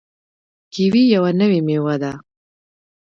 کیوي یوه نوې میوه ده.